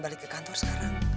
balik ke kantor sekarang